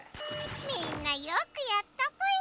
みんなよくやったぽよ。